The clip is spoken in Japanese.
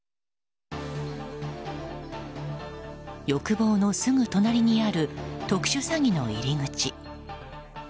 欲望のすぐ隣にある特殊詐欺の入り口。